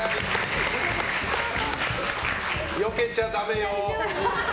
よけちゃダメよ。